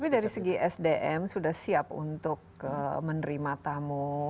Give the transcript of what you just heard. tapi dari segi sdm sudah siap untuk menerima tamu